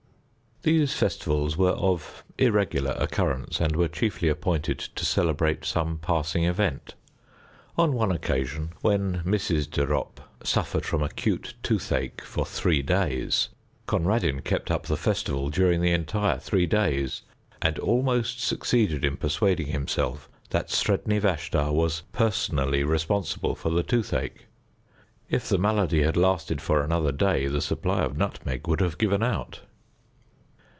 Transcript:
These festivals were of irregular occurrence, and were chiefly appointed to celebrate some passing event. On one occasion, when Mrs. de Ropp suffered from acute toothache for three days, Conradin kept up the festival during the entire three days, and almost succeeded in persuading himself that Sredni Vashtar was personally responsible for the toothache. If the malady had lasted for another day the supply of nutmeg would have given out.